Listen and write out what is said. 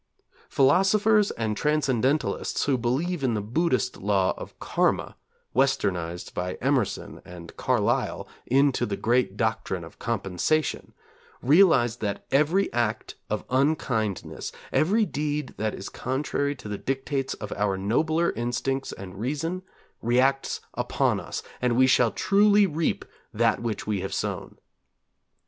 Philosophers and transcendentalists who believe in the Buddhist law of Kârma, Westernized by Emerson and Carlyle into the great doctrine of Compensation, realize that every act of unkindness, every deed that is contrary to the dictates of our nobler instincts and reason, reacts upon us, and we shall truly reap that which we have sown.